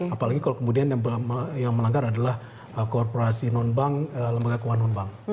apalagi kalau kemudian yang melanggar adalah korporasi non bank lembaga keuangan non bank